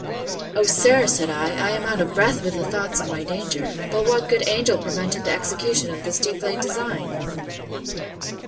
O sir, said I, I am out of breath with the thoughts of my danger! But what good angel prevented the execution of this deep laid design?